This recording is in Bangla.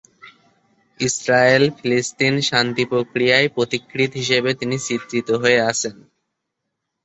ইসরায়েল-ফিলিস্তিন শান্তি প্রক্রিয়ার পথিকৃৎ হিসেবে তিনি চিত্রিত হয়ে আছেন।